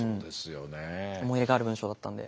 思い入れがある文章だったんで。